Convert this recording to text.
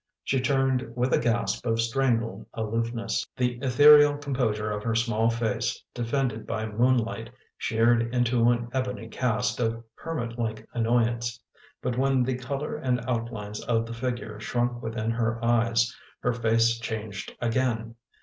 She turned with a gasp of strangled aloofness. The ethereal composure of her small face, defended by moon light, sheered into an ebony cast of hermit like annoy ance. But when the color and outlines of the figure shrunk within her eyes, her face changed again.